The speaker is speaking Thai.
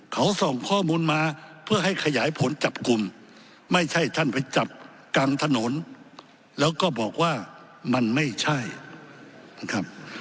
เขาส่งข้อมูลมาเพื่อให้ขยายผลจับกลุ่มไม่ใช่ท่านไปจับกลางถนนแล้วก็บอกว่ามันไม่ใช่นะครับ